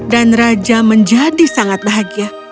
dan raja menjadi sangat bahagia